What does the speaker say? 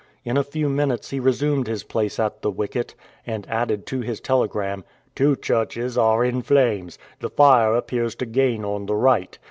In a few minutes he resumed his place at the wicket, and added to his telegram: "Two churches are in flames. The fire appears to gain on the right.